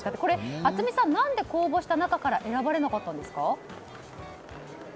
熱海さん、何で公募した中から選ばれなかったんですか。